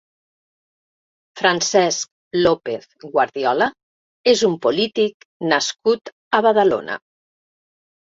Francesc López Guardiola és un polític nascut a Badalona.